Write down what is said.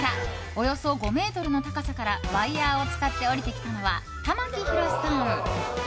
およそ５ｍの高さからワイヤを使って下りてきたのは玉木宏さん。